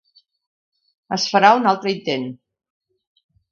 Es farà un altre intent.